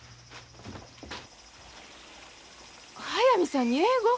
速水さんに英語？